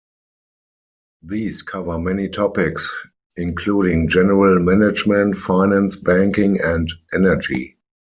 These cover many topics including general management, finance, banking and energy.